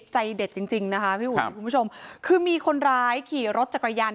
ใจเด็ดจริงจริงนะคะพี่อุ๋ยคุณผู้ชมคือมีคนร้ายขี่รถจักรยาน